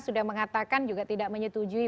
sudah mengatakan juga tidak menyetujui